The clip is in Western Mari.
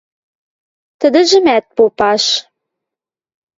Тӹдӹжӹмӓт попаш...